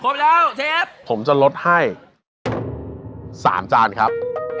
แล้วเชฟผมจะลดให้๓จานครับ